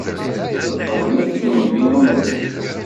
S lfeḍl n Nnbi amerbuḥ.